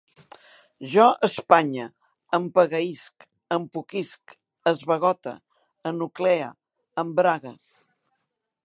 Jo espanye, empegueïsc, empoquisc, esbagote, enuclee, embrague